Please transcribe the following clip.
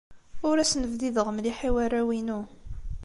Ur asen-bdideɣ mliḥ i warraw-inu.